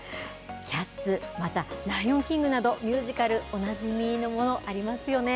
キャッツ、またライオンキングなど、ミュージカル、おなじみのものありますよね。